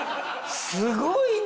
すごいね！